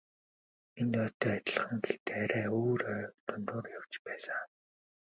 Энэ ойтой адилхан гэхдээ арай өөр ой дундуур явж байсан.